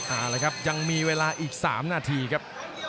เอาละครับยังมีเวลาอีก๓นาทีครับ